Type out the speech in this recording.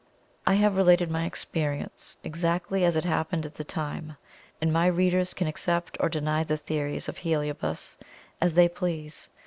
I have related my "experience" exactly as it happened at the time, and my readers can accept or deny the theories of Heliobas as they please.